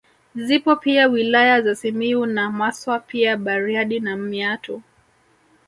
Zipo pia wilaya za Simiyu na Maswa pia Bariadi na Meatu